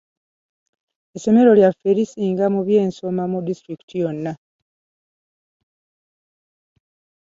Essomero lyaffe lye lisinga mu byensoma mu disitulikiti yonna.